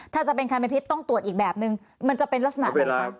ถ้าจะเป็นใครเป็นพิษต้องตรวจอีกแบบนึงมันจะเป็นลักษณะไหนคะ